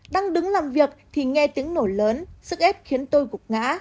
đang đứng làm việc thì nghe tiếng nổ lớn sức ép khiến tôi gục ngã